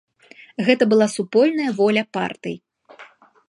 Гэта была супольная воля партый.